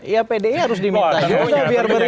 ya pdi harus diminta juga biar berbeda